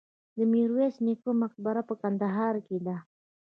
د میرویس نیکه مقبره په کندهار کې ده